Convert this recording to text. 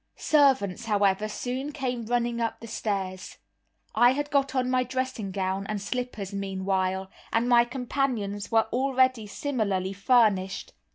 Servants, however, soon came running up the stairs; I had got on my dressing gown and slippers meanwhile, and my companions were already similarly furnished.